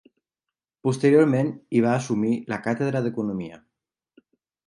Posteriorment, hi va assumir la càtedra d'economia.